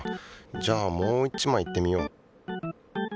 じゃあもう１枚いってみよう。